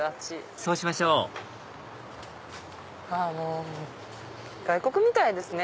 そうしましょうもう外国みたいですね。